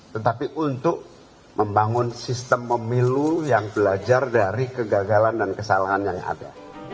tetapi untuk membangun sistem pemilu yang belajar dari kegagalan dan kesalahan yang ada